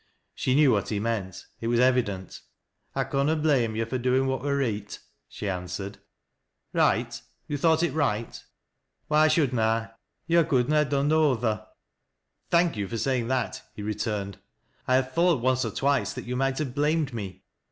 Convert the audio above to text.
She knew what he meant, it was evident. " I conna blame yo' fur doin' what were reet," she answered. " Kight, — you thought it right ?"" Why should na I ? Yo' couldna ha' done no other.'" " Thank you for saying that," he returned. " 1 havf thought once or twice that you might have blamed me."